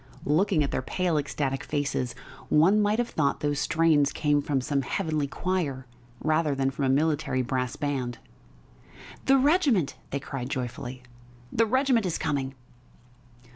Looking at their pale, ecstatic faces, one might have thought those strains came from some heavenly choir rather than from a military brass band. "The regiment!" they cried joyfully. "The regiment is coming!"